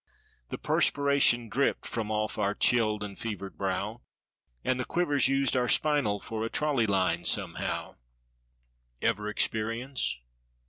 The perspiration dripped from—off our chilled and fevered brow And the quivers used our spinal for a trolley line somehow— Ever experience